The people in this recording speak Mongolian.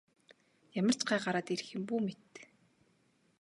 Ямар ч гай гараад ирэх юм бүү мэд.